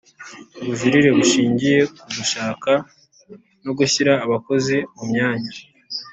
Ubujurire bushingiye ku gushaka no gushyira abakozi mu myanya